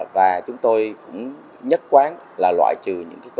và chúng tôi cũng nhất quán là loại trừ những tiêu chí